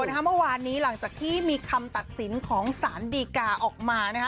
เมื่อวานนี้หลังจากที่มีคำตัดสินของสารดีกาออกมานะคะ